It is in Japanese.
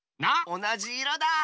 おなじいろだ！